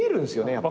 やっぱ。